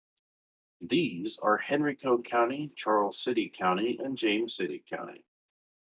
These are Henrico County, Charles City County, and James City County.